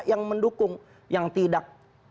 yang mendukung yang tidak